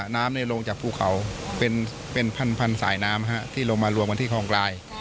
น้ำลงจากภูเขาเป็นพันสายน้ำที่ลงมารวมกันที่คลองกลาย